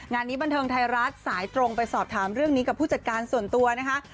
งานนี้บันเทิงไทยรัฐสายตรงไปสอบถามเรื่องนี้กับผู้จัดการส่วนตัวนะคะ